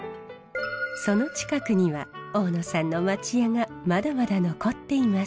その近くには大野さんの町家がまだまだ残っています。